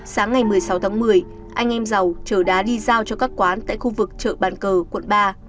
sáng ngày một mươi sáu tháng một mươi anh em giàu chở đá đi giao cho các quán tại khu vực chợ bàn cờ quận ba